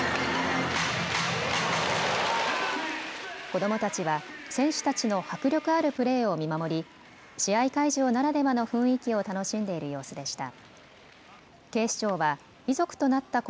子どもたちは選手たちの迫力あるプレーを見守り試合会場ならではの雰囲気を楽しんでいる様子でした。